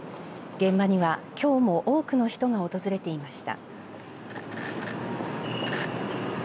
現場にはきょうも多くの人が訪れていました。